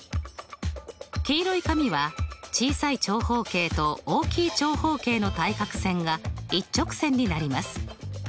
黄色い紙は小さい長方形と大きい長方形の対角線が一直線になります。